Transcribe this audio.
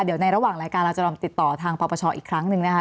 เดี๋ยวในระหว่างรายการเราจะลองติดต่อทางปปชอีกครั้งหนึ่งนะคะ